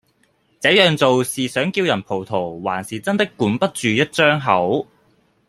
這樣做是想叫人葡萄還是真的管不住一張口